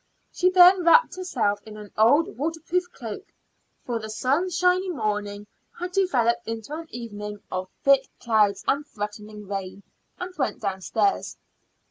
She then wrapped herself in an old waterproof cloak for the sunshiny morning had developed into an evening of thick clouds and threatening rain and went downstairs.